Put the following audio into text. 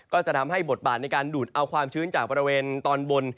ก็จะทำให้บทบาทในการดูดเอาความชื้นจากบริเวณตอนบน